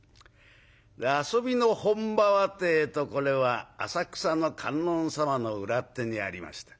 遊びの本場はってえとこれは浅草の観音様の裏手にありました。